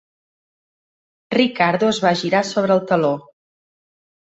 Ricardo es va girar sobre el taló.